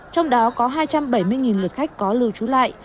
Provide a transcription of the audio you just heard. trong đó có hai trăm bảy mươi lượt khách có lưu trú lại